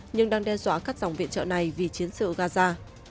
nhưng đang đe dọa các dòng viện trợ này vì chiến sự gaza